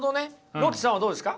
ロッチさんはどうですか？